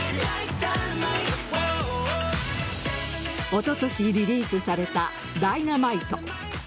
おととしリリースされた「Ｄｙｎａｍｉｔｅ」